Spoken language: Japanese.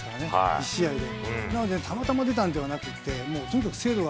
１試合で。